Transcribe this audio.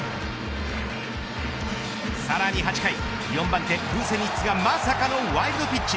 さらに８回４番手ブセニッツがまさかのワイルドピッチ。